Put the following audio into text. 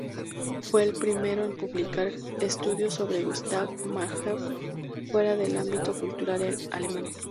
Fue el primero en publicar estudios sobre Gustav Mahler fuera del ámbito cultural alemán.